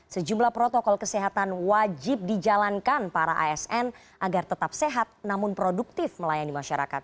sejumlah protokol kesehatan wajib dijalankan para asn agar tetap sehat namun produktif melayani masyarakat